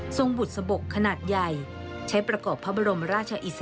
ทรงบุตรสะบกขนาดใหญ่ใช้ประกอบพระบรมราชโลธ